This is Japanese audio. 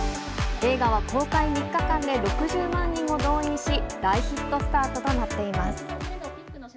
映画は公開３日間で６０万人を動員し、大ヒットスタートとなっています。